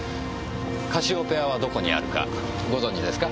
カシオペアはどこにあるかご存じですか？